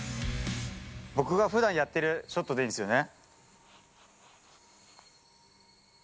僕がふだんやってるショットでいいんですよね？